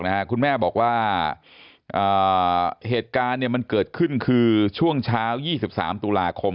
นะคุณแม่บอกว่าเหตุการณ์มันเกิดขึ้นคือช่วงช้า๒๓ตุลาคม